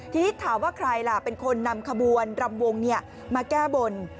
ทีนี้ถามว่าใครล่ะเป็นคนนำขบวนรำวงมาแก้บน